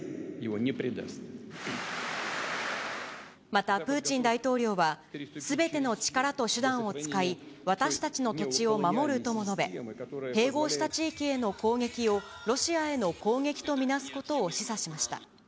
またプーチン大統領は、すべての力と手段を使い、私たちの土地を守るとも述べ、併合した地域への攻撃を、ロシアへの攻撃と見なすことを示唆しました。